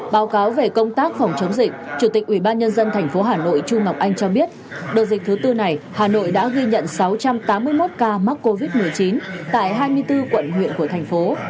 báo cáo về công tác phòng chống dịch chủ tịch ubnd tp hà nội chu ngọc anh cho biết đợt dịch thứ tư này hà nội đã ghi nhận sáu trăm tám mươi một ca mắc covid một mươi chín tại hai mươi bốn quận huyện của thành phố